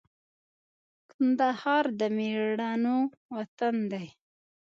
کندهار د مېړنو وطن دی